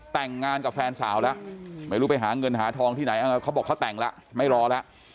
แต่งงานกับแฟนสาวแล้วไม่รู้ไปหาเงินหาทองที่ไหนเขาบอกเขาแต่งแล้วไม่รอแล้ว